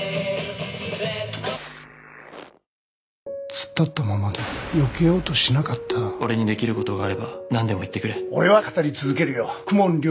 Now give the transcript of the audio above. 突っ立ったままよけようとしなかった俺にできることがあればなんでも言ってくれ俺は語り続けるよ公文竜